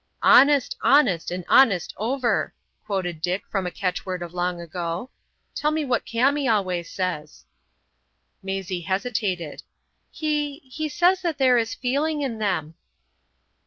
""Honest, honest, and honest over!"' quoted Dick from a catchword of long ago. "Tell me what Kami always says." Maisie hesitated. "He—he says that there is feeling in them."